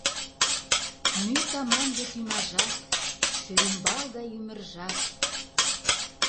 Мӱй таман вет ӱмажат, шӧрӱмбал гай ӱмыржат.